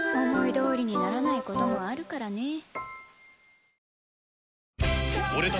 思いどおりにならないこともあるからね。